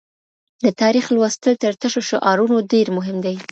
د تاریخ لوستل تر تشو شعارونو ډېر مهم دي.